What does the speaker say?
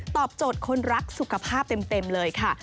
โจทย์คนรักสุขภาพเต็มเลยค่ะ